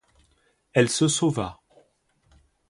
Elle se sauva.